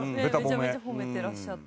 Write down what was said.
めちゃめちゃ褒めてらっしゃった。